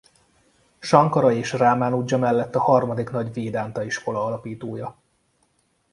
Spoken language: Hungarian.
Sankara és Rámánudzsa mellett a harmadik nagy védánta iskola alapítója.